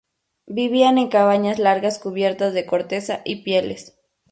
Vivían en cabañas largas cubiertas de corteza y pieles.